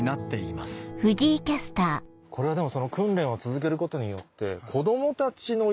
これはでも。